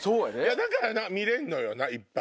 だから見れんのよいっぱい。